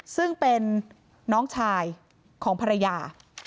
ซึ่งเป็นน้องชายของภรรยา